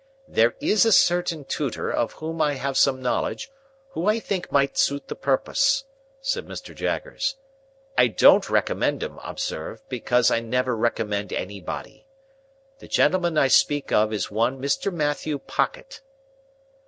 "There is a certain tutor, of whom I have some knowledge, who I think might suit the purpose," said Mr. Jaggers. "I don't recommend him, observe; because I never recommend anybody. The gentleman I speak of is one Mr. Matthew Pocket."